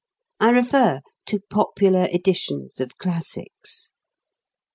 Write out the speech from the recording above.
I refer to "popular editions" of classics.